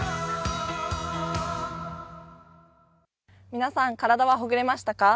皆さん、体はほぐれましたか？